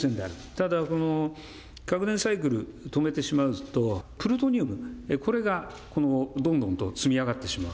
ただこの核燃サイクル、止めてしまうと、プルトニウム、これがどんどんと積み上がってしまう。